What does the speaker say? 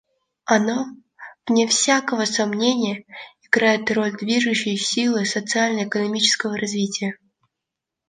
Оно, вне всякого сомнения, играет роль движущей силы социально-экономического развития.